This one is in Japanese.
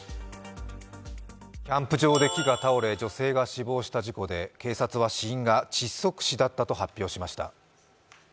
キャンプ場で木が倒れ、女性が死亡した事故で警察は死因が窒息死だったと発表しました。